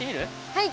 はい！